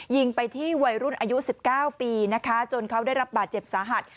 ยิงไปที่วัยรุ่นอายุ๑๙ปีนะคะจนเขาได้รับบาดเจ็บสาหัส